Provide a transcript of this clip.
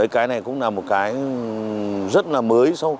cái này cũng là một cái rất là mới